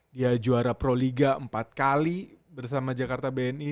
dia juara pro liga empat kali bersama jakarta bni